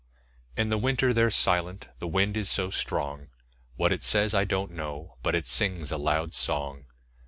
In the winter they're silent the wind is so strong; What it says, I don't know, but it sings a loud song.